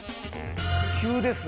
急ですね。